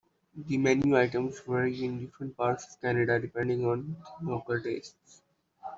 The Menu items vary in different parts of Canada, depending on local tastes.